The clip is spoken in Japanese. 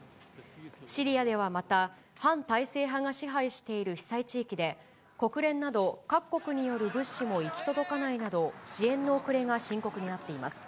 シリアではまた、反体制派が支配している被災地域で、国連など各国による物資も行き届かないなど、支援の遅れが深刻になっています。